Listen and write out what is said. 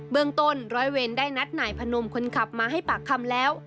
เมืองต้นร้อยเวรได้นัดนายพนมคนขับมาให้ปากคำแล้ว